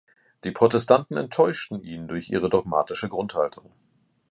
Die Protestanten enttäuschten ihn durch ihre dogmatische Grundhaltung.